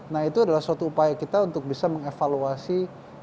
nah itu adalah suatu upaya kita untuk bisa mengevaluasi